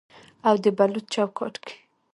او د بلوط چوکاټ کې